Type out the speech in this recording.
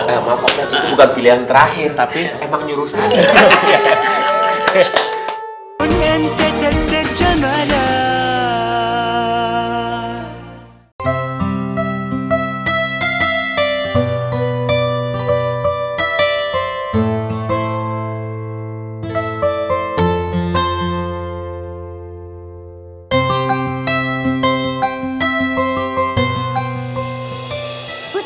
emang ustadz itu bukan pilihan terakhir tapi emang nyuruh saat ini ya